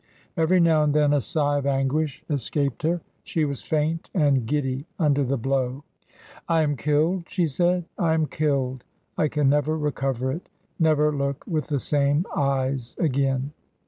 Every now and then a sigh of anguish escaped her : she was faint and giddy under the blow. "I am killed," she said, "I am killed. I can never recover it — never look with the same eyes again."